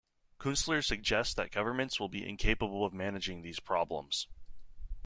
Kunstler suggests that governments will be incapable of managing these problems.